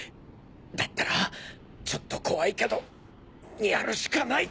だったらちょっと怖いけどやるしかない！